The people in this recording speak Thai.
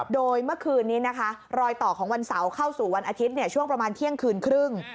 โดยเมื่อคืนนี้นะคะรอยต่อของวันเสาร์เข้าสู่วันอาทิตย์ช่วงประมาณเที่ยงคืนครึ่ง